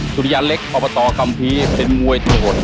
สุริยะเล็กพรุ่งประตอพรุ่งปีเป็นมวยโถศ์